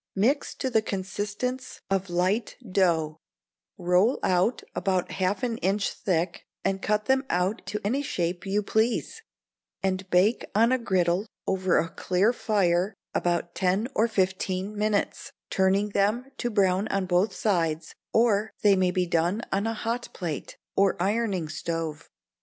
Mix to the consistence of light dough, roll out about half an inch thick, and cut them out to any shape you please, and bake on a griddle over a clear fire about ten or fifteen minutes; turning them to brown on both sides or they may be done on a hot plate, or ironing stove.